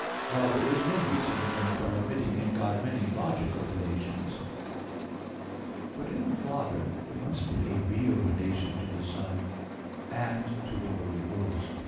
1, 3); while there is no reason against our admitting in God, many logical relations. But in the Father there must be a real relation to the Son and to the Holy Ghost.